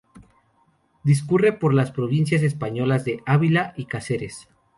Discurre por las provincias españolas de Ávila y Cáceres.